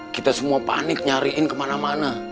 kita semua panik nyariin kemana mana